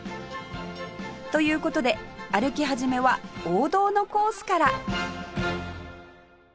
という事で歩き始めは王道のコースから